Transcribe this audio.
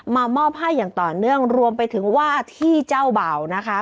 มอบให้อย่างต่อเนื่องรวมไปถึงว่าที่เจ้าบ่าวนะคะ